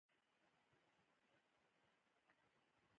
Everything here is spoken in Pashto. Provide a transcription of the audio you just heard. د مرکزي اسیا ښارونه یې یو په بل پسې لاندې کول.